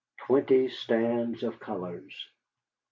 Twenty stands of colors!